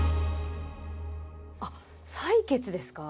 あっ採血ですか？